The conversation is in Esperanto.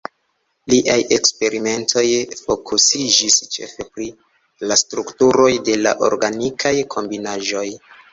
Liaj eksperimentoj fokusiĝis ĉefe pri la strukturoj de la organikaj kombinaĵoj.